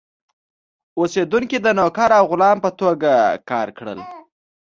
اوسېدونکي د نوکر او غلام په توګه کار کړل.